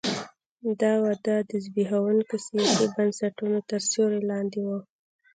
دا وده د زبېښونکو سیاسي بنسټونو تر سیوري لاندې وه.